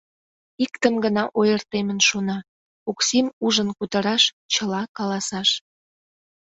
Иктым гына ойыртемын шона: «Оксим ужын кутыраш, чыла каласаш.